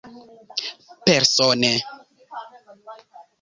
Persone.